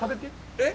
えっ？